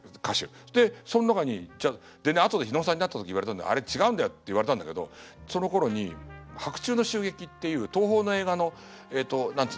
でその中に後でね日野さんに会った時に言われたんだけど「あれ違うんだよ」って言われたんだけどそのころに「白昼の襲撃」っていう東宝の映画のえっと何つうんだろ？